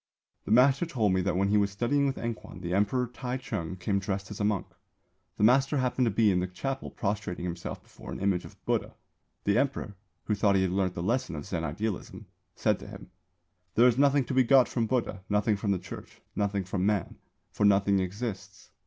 "The master told me that when he was studying with Enkwan, the Emperor Tai Chung came dressed as a monk. The master happened to be in the chapel prostrating himself before an image of Buddha. The Emperor, who thought he had learnt the lesson of Zen idealism, said to him: 'There is nothing to be got from Buddha, nothing from the Church, nothing from Man; for nothing exists.